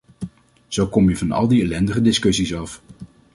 Zo kom je van al die ellendige discussies af.